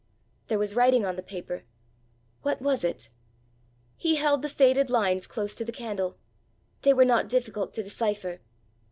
There was writing on the paper! What was it? He held the faded lines close to the candle. They were not difficult to decipher.